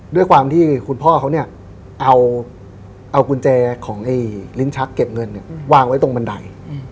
ด้วยความที่คุณพ่อเขาเนี่ยเอากุญแจของลิ้นชักเก็บเงินวางไว้ตรงบันได